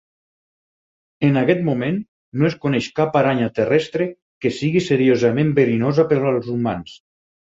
En aquest moment, no es coneix cap aranya terrestre que sigui seriosament verinosa per als humans.